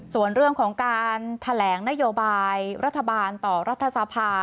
ส่วนเรื่องของการแถลงนโยบายรัฐบาลต่อรัฐสภา